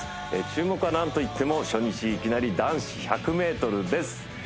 注目は何といっても初日いきなり男子１００ｍです